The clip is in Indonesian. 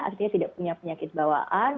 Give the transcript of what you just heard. artinya tidak punya penyakit bawaan